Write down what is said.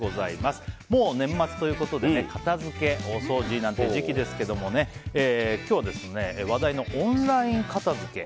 もう年末ということで片付け、大掃除という時期ですが今日は、話題のオンライン片付け